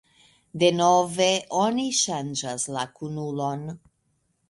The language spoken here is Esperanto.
"Denove oni ŝanĝas la kunulon."